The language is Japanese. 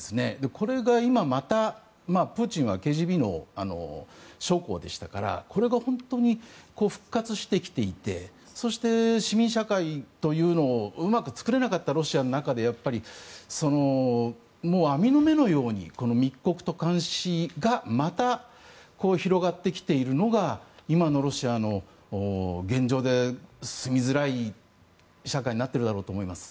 これが今、またプーチンはＫＧＢの将校でしたからこれが本当に復活してきていてそして、市民社会というのをうまく作れなかったロシアの中でもう網の目のように密告と監視がまた広がってきているのが今のロシアの現状で住みづらい社会になってるだろうと思います。